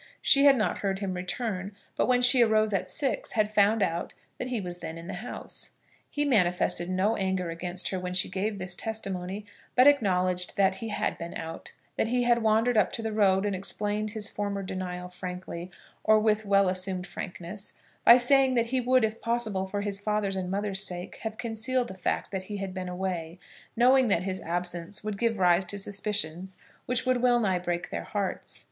She had not heard him return, but, when she arose at six, had found out that he was then in the house. He manifested no anger against her when she gave this testimony, but acknowledged that he had been out, that he had wandered up to the road, and explained his former denial frankly, or with well assumed frankness, by saying that he would, if possible, for his father's and mother's sake, have concealed the fact that he had been away, knowing that his absence would give rise to suspicions which would well nigh break their hearts.